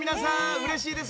うれしいです。